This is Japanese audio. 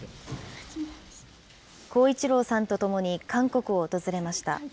耕一郎さんと共に韓国を訪れました。